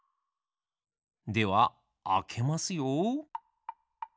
ではあけますよ。